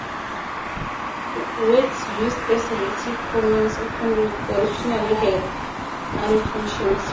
Words used as relative pronouns often originally had other functions.